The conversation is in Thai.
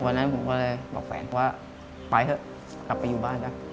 วันนั้นผมก็เลยบอกแฟนว่าไปเถอะกลับไปอยู่บ้านนะ